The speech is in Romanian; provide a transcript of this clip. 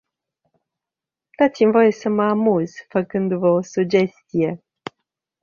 Dați-mi voie să mă amuz făcându-vă o sugestie.